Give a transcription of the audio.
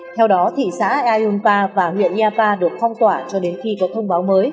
theo đó thị xã ayungpa và huyện iapa được phong tỏa cho đến khi có thông báo